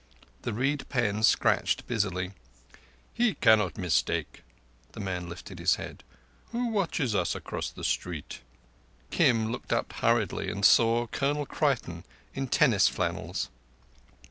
The reed pen scratched busily. "He cannot mistake." The man lifted his head. "Who watches us across the street?" Kim looked up hurriedly and saw Colonel Creighton in tennis flannels.